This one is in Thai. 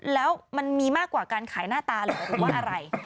แล้วมันมีมากกว่าการขายหน้าตาเหรอหรือว่าอะไร